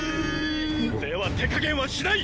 では手加減はしない！